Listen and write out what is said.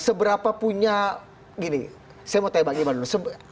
seberapa punya gini saya mau tanya bang iman dulu